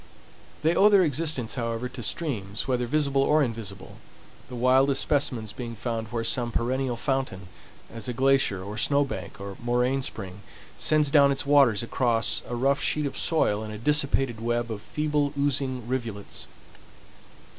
They owe their existence, however, to streams, whether visible or invisible, the wildest specimens being found where some perennial fountain, as a glacier or snowbank or moraine spring sends down its waters across a rough sheet of soil in a dissipated web of feeble, oozing rivulets.